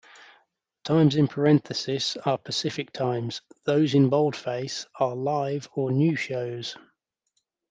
Times in parenthesis are Pacific times; those in boldface are live or new shows.